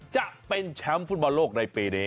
จะเป็นแชมป์ฟุตบอลโลกในปีนี้